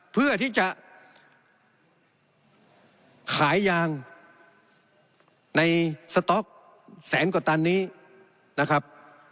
เพื่อที่จะขายยางในสต๊อกแสนกว่าตันนี้นะครับ